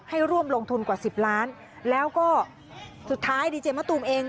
ให้ร่วมลงทุนกว่าสิบล้านแล้วก็สุดท้ายดีเจมะตูมเอง